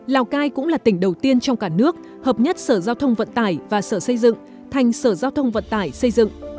lào cai cũng là tỉnh đầu tiên trong cả nước hợp nhất sở giao thông vận tải và sở xây dựng thành sở giao thông vận tải xây dựng